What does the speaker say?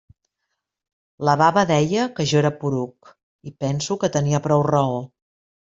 La baba deia que jo era poruc, i penso que tenia prou raó.